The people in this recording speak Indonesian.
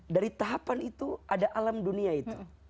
dari tahapan itu ada alam dunia itu